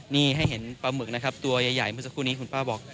นี่ให้เห็นปลาหมึกนะครับตัวใหญ่เมื่อสักครู่นี้คุณป้าบอก